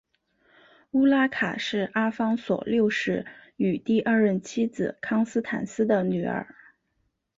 乌拉卡是阿方索六世与第二任妻子康斯坦丝的女儿。